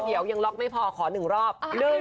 เดี๋ยวยังล็อกไม่พอขอ๑รอบ